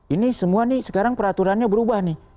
ini semua nih sekarang peraturannya berubah nih